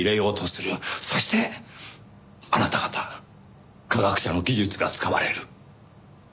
そしてあなた方科学者の技術が使われる。